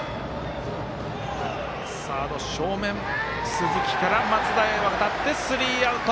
鈴木から松田へ渡ってスリーアウト。